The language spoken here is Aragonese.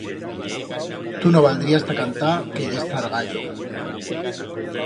Tu no valdrías ta cantar que yes zargallo.